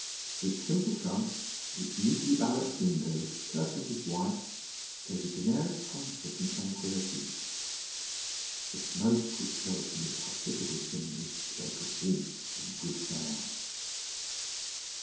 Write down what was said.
Its simple front, its neatly balanced windows, curtained with white, gave it an air of comfort and tranquillity. The smoke which curled from its hospitable chimney spoke of warmth and good fare.